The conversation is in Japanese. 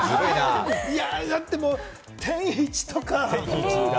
だって天一とか。